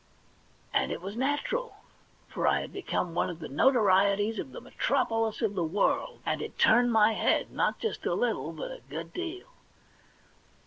And it was natural ; for I had become one of the notorieties of the metropolis of the world, and it turned my head, not just a little, but a good deal.